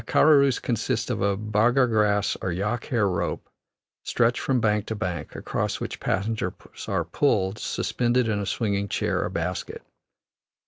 A karorus consists of a bagar grass or yak hair rope, stretched from bank to bank, across which passengers are pulled, suspended in a swinging chair or basket.